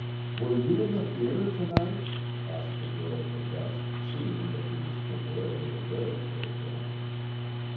"Were you in the theater to night?" asked the girl at the desk, seeing that he was temporarily aware of her again.